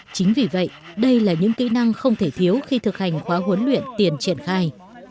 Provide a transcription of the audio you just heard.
chính vì vậy đây là những kỹ năng không thể thiếu khi thực hành khóa huấn luyện tiền triển khai